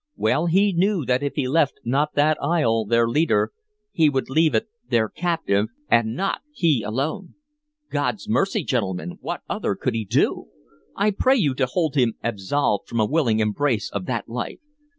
Well he knew that if he left not that isle their leader, he would leave it their captive; and not he alone! God's mercy, gentlemen, what other could he do? I pray you to hold him absolved from a willing embrace of that life!